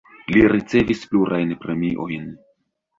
Li ricevis plurajn premiojn.